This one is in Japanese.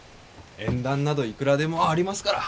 縁談などいくらでもありますから。